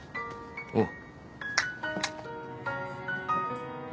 おう。